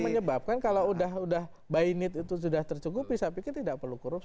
itu yang menyebabkan kalau udah buy in itu sudah tercukup bisa pikir tidak perlu korupsi